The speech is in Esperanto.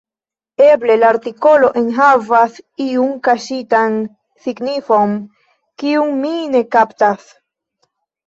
Eble la artikolo enhavas iun kaŝitan signifon, kiun mi ne kaptas.